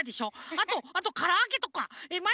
あとあとからあげとか。